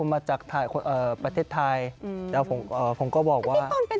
ไม่ได้มีอะไรเป็นพิเศษ